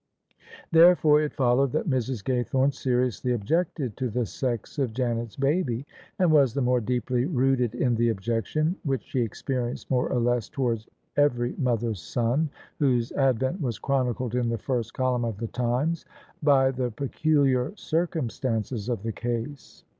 Therefore it followed that Mrs. Gaythome seriously objected to the sex of Janet's baby ; and was the more deeply rooted in the objection — ^which she experienced more or less towards every mother's son whose advent was chronicled in the first column of The Times — ^by the peculiar circum stances of the case.